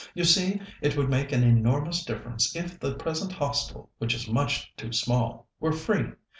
You see, it would make an enormous difference if the present Hostel, which is much too small, were free.